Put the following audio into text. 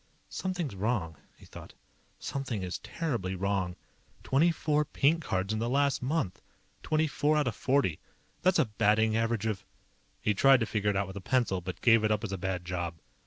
Something's wrong, he thought. _Something is terribly wrong. Twenty four pink cards in the last month. Twenty four out of forty. That's a batting average of_ He tried to figure it out with a pencil, but gave it up as a bad job.